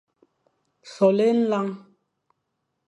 Soghle nlañ,